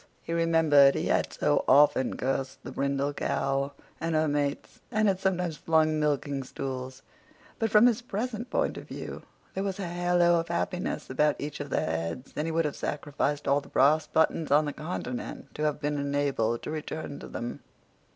He remembered he had so often cursed the brindle cow and her mates, and had sometimes flung milking stools. But, from his present point of view, there was a halo of happiness about each of their heads, and he would have sacrificed all the brass buttons on the continent to have been enabled to return to them.